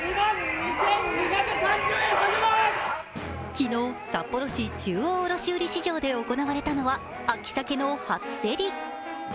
昨日、札幌市中央卸売市場で行われたのは秋さけの初競り。